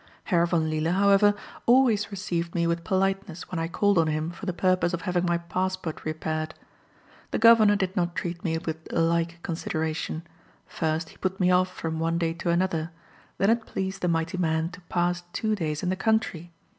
Herr von Lille, however, always received me with politeness when I called on him for the purpose of having my passport prepared. The governor did not treat me with a like consideration; first he put me off from one day to another, then it pleased the mighty man to pass two days in the country.